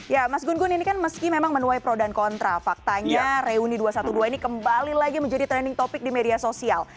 ya mas gun gun ini kan meski memang menuai pro dan kontra faktanya reuni dua ratus dua belas ini kembali lagi menjadi trending topic di media sosial